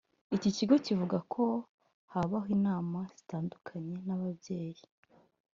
iki kigo kivuga ko habaho inama zitandukanye n’ababyeyi